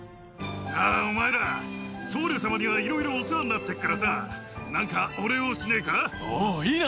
なあ、お前ら、僧侶様にはいろいろお世話になってっからさぁ、何かお礼をしないおお、いいな。